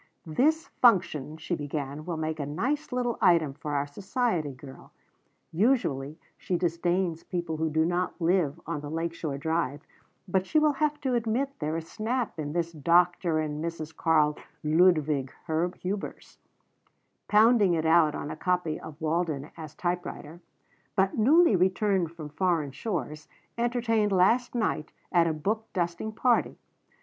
"This function," she began, "will make a nice little item for our society girl. Usually she disdains people who do not live on the Lake Shore Drive, but she will have to admit there is snap in this 'Dr. and Mrs. Karl Ludwig Hubers,'" pounding it out on a copy of Walden as typewriter "' but newly returned from foreign shores, entertained last night at a book dusting party.